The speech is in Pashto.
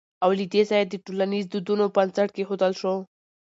او له دې ځايه د ټولنيزو دودونو بنسټ کېښودل شو